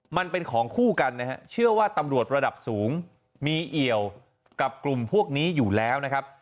มันเป็นของคู่กันนะฮะเชื่อว่าตำรวจระดับสูงมีเอี่ยวกับกลุ่มพวกนี้อยู่แล้วนะครับ